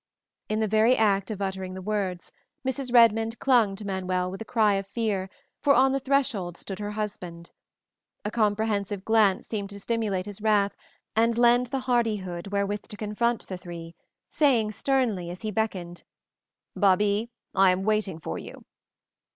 In the very act of uttering the words, Mrs. Redmond clung to Manuel with a cry of fear, for on the threshold stood her husband. A comprehensive glance seemed to stimulate his wrath and lend the hardihood wherewith to confront the three, saying sternly as he beckoned, "Babie, I am waiting for you."